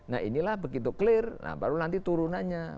nah inilah begitu clear nah baru nanti turunannya